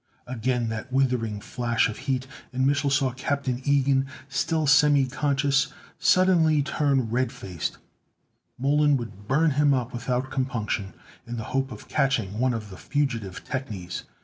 Again that withering flash of heat, and Mich'l saw Captain Ilgen, still semi conscious, suddenly turn red faced. Mollon would burn him up without compunction, in the hope of catching one of the fugitive technies.